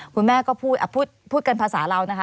คุณแม่ก็พูดพูดกันภาษาเรานะคะ